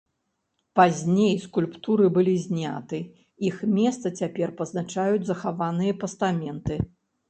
Пазней скульптуры былі зняты, іх месца цяпер пазначаюць захаваныя пастаменты.